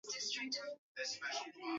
hatari zaidi ya Bonde la Mto Amazon